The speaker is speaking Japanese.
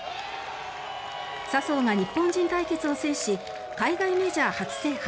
笹生が日本人対決を制し海外メジャー初制覇。